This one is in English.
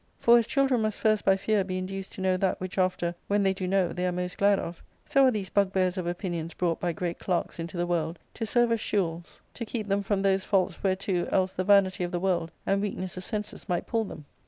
For, as children must first by fear be induced to know that which after, when they do know, they are most glad of, so are these bugbears of opinions brought by great clerks into the world to serve as shewels* to keep them from those faults whereto else the vanity of the world and weakness of senses might pull them.